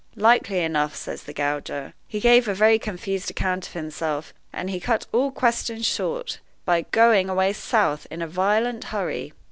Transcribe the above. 'Likely enough,' says the gauger; 'he gave a very confused account of himself, and he cut all questions short by going away south in a violent hurry.